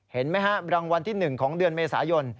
เห็นไหมฮะรางวัลที่๑ของเดือนเมษายน